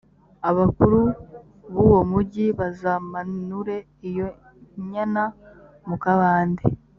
abakuru b’uwo mugi bazamanure iyo nyana mu kabande